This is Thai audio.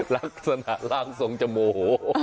ลักษณะล้างทรงจมูก